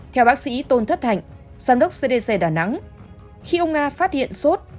theo bác sĩ tôn thất thạnh giám đốc cdc đà nẵng khi ông a phát hiện sốt